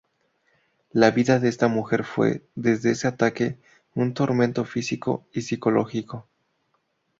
La vida de esta mujer fue, desde ese ataque, un tormento físico y psicológico.